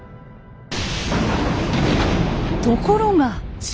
ところが。